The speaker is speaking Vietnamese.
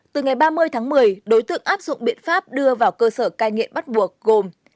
từ ngày ba mươi tháng một mươi đối tượng áp dụng biện pháp đưa vào cơ sở cai nghiện bắt buộc gồm